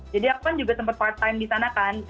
jadi aku kan juga tempat part time di sana kan